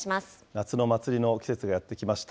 夏の祭りの季節がやって来ました。